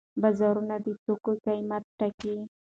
بازارونه د توکو قیمت ټاکي.